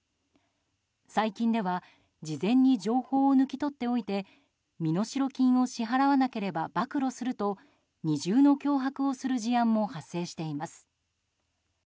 最近では事前に情報を抜き取っておいて身代金を支払わなければ暴露すると二重の脅迫をする事案も発生しています。